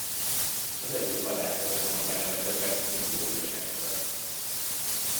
Az egyik vadász hozta magával ezeket, mint furcsaságokat.